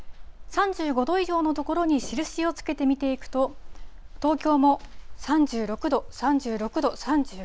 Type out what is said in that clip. ３５度以上の所に印をつけて見ていくと、東京も３６度、３６度、３５度。